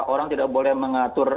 orang tidak boleh mengatakan